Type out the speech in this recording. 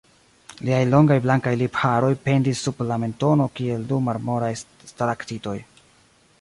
Liaj longaj blankaj lipharoj pendis sub la mentono kiel du marmoraj stalaktitoj.